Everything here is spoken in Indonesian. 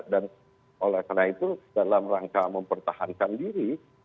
dan oleh karena itu dalam rangka mempertahankan diri